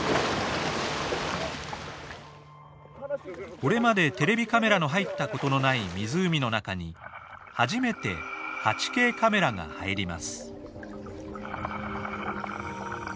これまでテレビカメラの入った事のない湖の中に初めて８Ｋカメラが入ります。